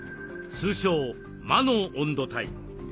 通称魔の温度帯。